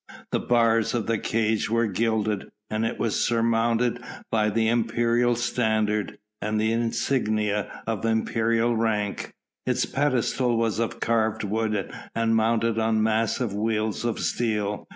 The bars of the cage were gilded, and it was surmounted by the imperial standard and the insignia of imperial rank. Its pedestal was of carved wood and mounted on massive wheels of steel.